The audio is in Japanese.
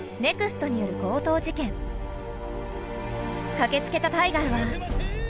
駆けつけたタイガーは。